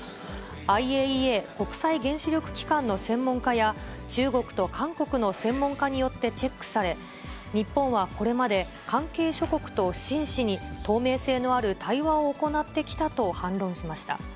ＩＡＥＡ・国際原子力機関の専門家や、中国と韓国の専門家によってチェックされ、日本はこれまで関係諸国と真摯に透明性のある対話を行ってきたと反論しました。